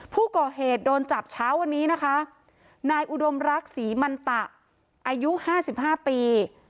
ผู้ก่อเหตุโดนจับเช้าวันนี้นะคะนายอุดมรักศรีมันตะอายุห้าสิบห้าปี